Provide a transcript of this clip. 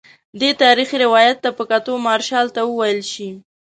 دې تاریخي روایت ته په کتو مارشال ته وویل شي.